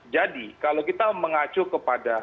kalau kita mengacu kepada